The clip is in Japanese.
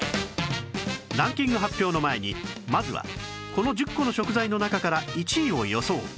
ランキング発表の前にまずはこの１０個の食材の中から１位を予想